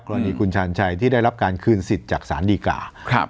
กรณีคุณชาญชัยที่ได้รับการคืนสิทธิ์จากสารดีกา